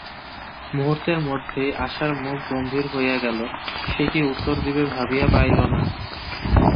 মুহূর্তের মধ্যেই আশার মুখ গম্ভীর হইয়া গেল–সে কী উত্তর দিবে ভাবিয়া পাইল না।